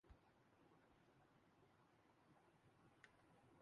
ادھر آؤ، یہ صفیہ بنت حیی ہیں